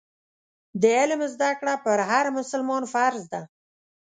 د علم زده کړه پر هر مسلمان فرض ده.